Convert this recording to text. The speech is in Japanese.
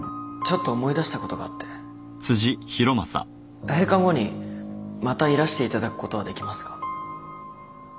ちょっと思い出したことがあって閉館後にまたいらしていただくことはできますか？